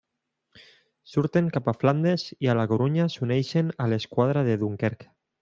Surten cap a Flandes i a La Corunya s'uneixen a l'esquadra de Dunkerque.